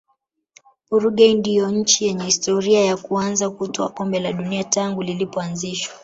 uruguay ndio nchi yenye historia ya kuanza kutwaa kombe la dunia tangu lilipoanzishwa